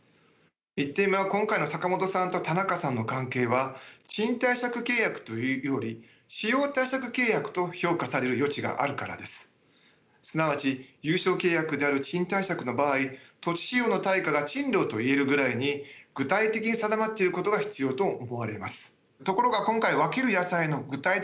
１点目は今回の坂本さんと田中さんの関係はすなわち有償契約である賃貸借の場合土地使用の対価が賃料といえるぐらいに具体的に定まっていることが必要と思われます。